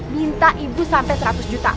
minta ibu sampai seratus juta